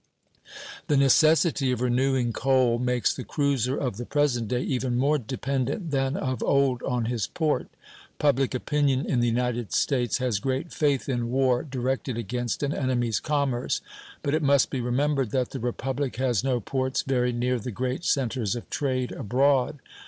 The necessity of renewing coal makes the cruiser of the present day even more dependent than of old on his port. Public opinion in the United States has great faith in war directed against an enemy's commerce; but it must be remembered that the Republic has no ports very near the great centres of trade abroad.